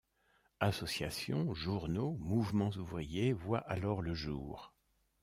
Associations, journaux, mouvements ouvriers voient alors le jour.